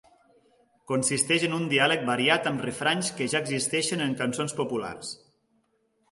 Consisteix en un diàleg variat amb refranys que ja existien en cançons populars.